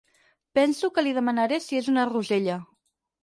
Penso que li demanaré si és una rosella.